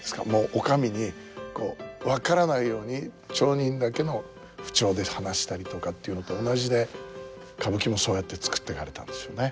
お上にこう分からないように町人だけの口調で話したりとかっていうのと同じで歌舞伎もそうやって作っていかれたんですよね。